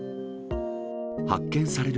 発見される